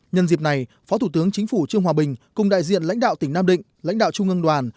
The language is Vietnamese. nhân dịp này phó thủ tướng chính phủ trương hòa bình cùng đại diện lãnh đạo tỉnh nam định lãnh đạo trung ương đoàn